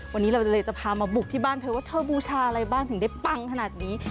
วันนี้เราเลยจะพามาบุกที่บ้านเธอว่าเธอบูชาอะไรบ้างถึงได้ปังขนาดนี้